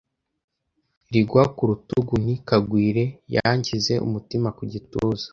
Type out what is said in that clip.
Ringwa ku rutugu nti “kagwire.” Yanshyize umutima ku gituza